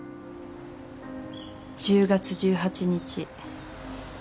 １０月１８日。